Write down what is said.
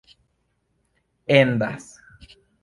endas